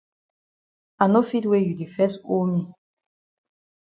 I no fit wey you di fes owe me.